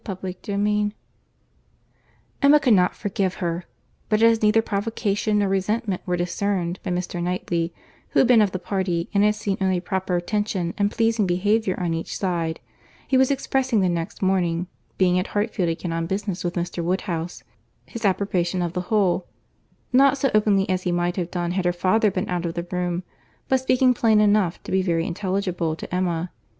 CHAPTER III Emma could not forgive her;—but as neither provocation nor resentment were discerned by Mr. Knightley, who had been of the party, and had seen only proper attention and pleasing behaviour on each side, he was expressing the next morning, being at Hartfield again on business with Mr. Woodhouse, his approbation of the whole; not so openly as he might have done had her father been out of the room, but speaking plain enough to be very intelligible to Emma.